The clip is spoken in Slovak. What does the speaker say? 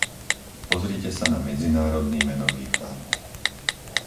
Pozrite sa na Medzinárodný menový fond.